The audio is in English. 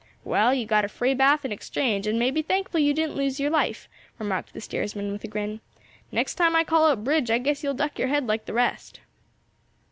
"Well, you got a free bath in exchange and may be thankful you didn't lose your life," remarked the steersman with a grin. "Next time I call out bridge I guess you'll duck your head like the rest."